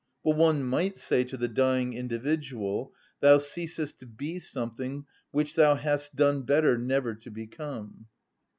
But one might say to the dying individual: "Thou ceasest to be something which thou hadst done better never to become."